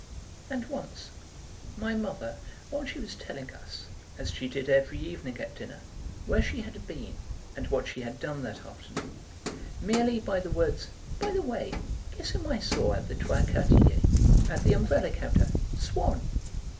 And once my mother, while she was telling us, as she did every evening at dinner, where she had been and what she had done that afternoon, merely by the words: "By the way, guess whom I saw at the Trois Quartiers at the umbrella counter Swann!"